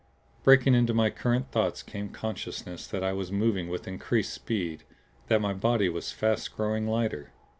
Breaking into my current of thoughts came consciousness that I was moving with increased speed; that my body was fast growing lighter.